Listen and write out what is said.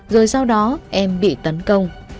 rồi sau đó em bị tấn công